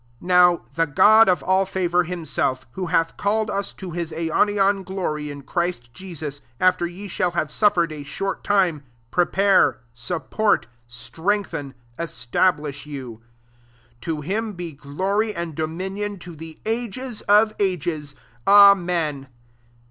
10 NOW the God of all fa vour, himself, who hath called us to his aionian glory in Christ Jesus, after ye shall have suf fered a short time, prepare, support, strengthen, [eatabliah'] [you .J 11 To him be [glory and] dominion to the ages of ages. Amen.